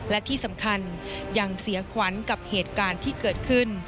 และที่สำคัญยังเสียขวัญกับเหตุการณ์ที่เกิดขึ้น